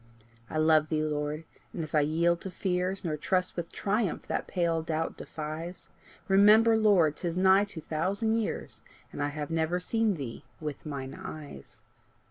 I love thee, Lord; and if I yield to fears, Nor trust with triumph that pale doubt defies, Remember, Lord, 'tis nigh two thousand years, And I have never seen thee with mine eyes.